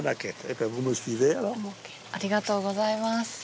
ありがとうございます。